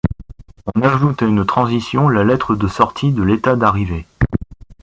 On ajoute à une transition la lettre de sortie de l'état d'arrivée.